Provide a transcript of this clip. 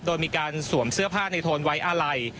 โดยมีการสวมเสื้อผ้าในโทนไว้อาลัย